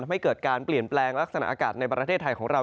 ทำให้เกิดการเปลี่ยนแปลงลักษณะอากาศในประเทศไทยของเรา